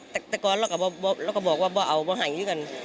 แต่ก่อนเราก็บอกว่าเอาไม่ไห่อยู่กัน